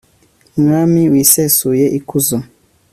mwami wisesuye ikuzo